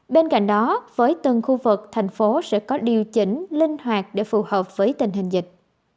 bên cạnh đó với từng khu vực thành phố sẽ có điều chỉnh linh hoạt để phù hợp với tình hình dịch